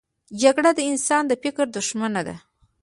جګړه د انسان د فکر دښمنه ده